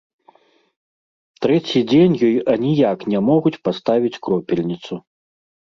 Трэці дзень ёй аніяк не могуць паставіць кропельніцу.